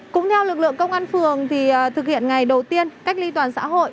cũng theo lực lượng công an phường thì thực hiện ngày đầu tiên cách ly toàn xã hội